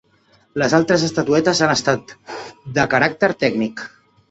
Les altres estatuetes han estat de caràcter tècnic.